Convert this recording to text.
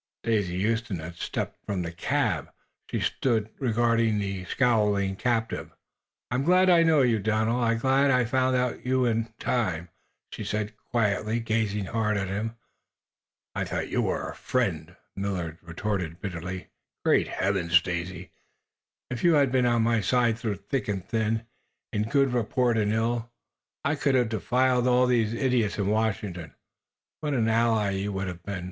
Daisy Huston had stepped from the cab. She stood regarding the scowling captive. "I'm glad I know you, Donald; glad I found you out in time," she said, quietly, gazing hard at him. "I thought you a friend," Millard retorted, bitterly. "Great Heavens, Daisy, if you had been on my side through thick and thin, in good report and ill, I could have defied all these idiots in Washington. What an ally you would have been!